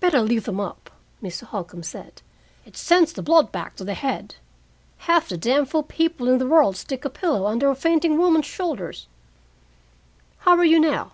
"Better leave them up." Mr. Holcombe said. "It sends the blood back to the head. Half the damfool people in the world stick a pillow under a fainting woman's shoulders. How are you now?"